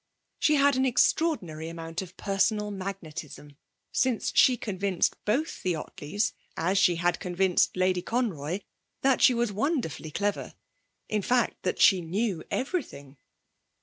She had an extraordinary amount of personal magnetism, since she convinced both the Ottleys, as she had convinced Lady Conroy, that she was wonderfully clever: in fact, that she knew everything.